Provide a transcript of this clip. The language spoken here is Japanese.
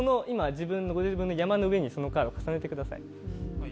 ご自分の山の上にそのカードを重ねてください。